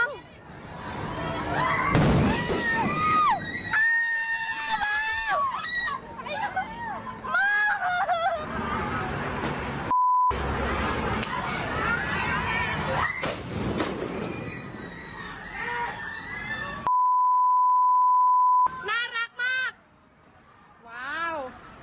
น่ารักมากว้าว